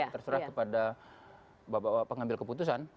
terserah kepada bapak bapak pengambil keputusan